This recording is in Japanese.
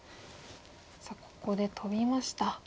さあここでトビました。